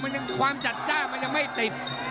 มันยังความจัดจ้ามันยังไม่ติด